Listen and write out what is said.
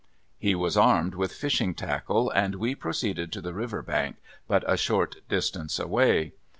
He was armed with fishing tackle, and we proceeded to the river bank, but a short distance away.